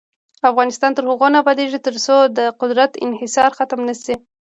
افغانستان تر هغو نه ابادیږي، ترڅو د قدرت انحصار ختم نشي.